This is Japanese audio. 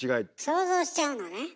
想像しちゃうのね。